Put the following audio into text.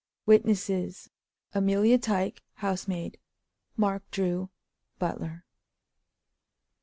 "Witnesses: "Amelia Tyke (housemaid). "Mark Drew (butler)."